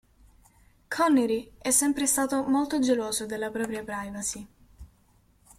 Connery è sempre stato molto geloso della propria privacy.